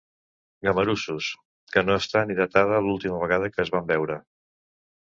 Gamarussos, que no està ni datada l’última vegada que es van veure.